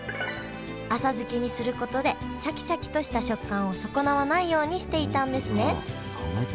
浅漬けにすることでシャキシャキとした食感を損なわないようにしていたんですね考えてんだな。